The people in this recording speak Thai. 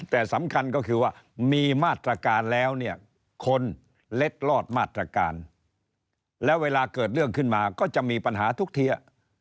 แต่สำคัญก็คือว่ามีมาตรการแล้วเนี่ยคนเล็ดลอดมาตรการแล้วเวลาเกิดเรื่องขึ้นมาก็จะมีปัญหาทุกเทีย